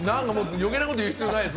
余計なこと言う必要ないです。